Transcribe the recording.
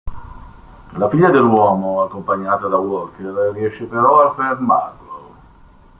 La figlia dell'uomo, accompagnata da Walker, riesce però a fermarlo.